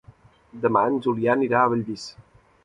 Demà en Julià anirà a Bellvís.